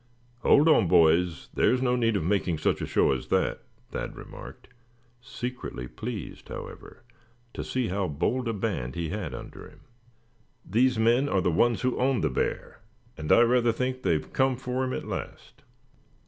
"Hold on, boys, there's no need of making such a show as that," Thad remarked, secretly pleased, however, to see how bold a band he had under him; "these men are the ones who own the bear; and I rather think they've come for him at last."